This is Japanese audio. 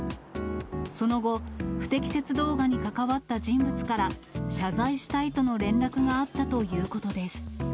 その後、不適切動画に関わった人物から謝罪したいとの連絡があったということです。